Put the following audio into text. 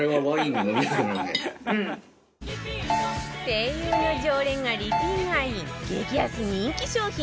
ＳＥＩＹＵ の常連がリピ買い激安人気商品